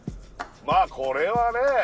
まあこれはね。